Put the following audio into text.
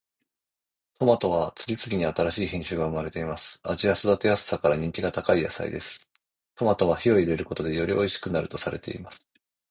トマトは次々に新しい品種が生まれています。味や育てやすさから人気が高い野菜です。トマトは火を入れることでよりおいしくなるとされています。